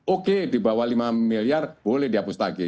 oke di bawah lima miliar boleh dihapus tagih